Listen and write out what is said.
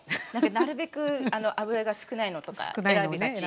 なるべく脂が少ないのとか選びがち。